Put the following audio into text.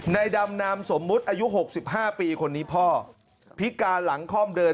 ในดำนามสมมุติอายุ๖๕ปีคนนี้พ่อพิการหลังคล่อมเดิน